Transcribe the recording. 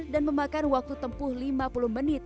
dan memakan waktu tempuh lima puluh menit